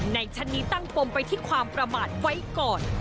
ในชั้นนี้ตั้งปมไปที่ความประมาทไว้ก่อน